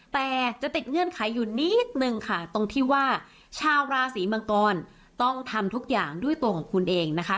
แต่จะติดเงื่อนไขอยู่นิดนึงค่ะตรงที่ว่าชาวราศีมังกรต้องทำทุกอย่างด้วยตัวของคุณเองนะคะ